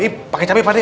ini pake cabai padai